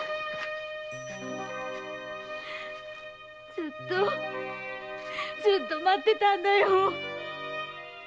ずっとずっと待ってたんだよ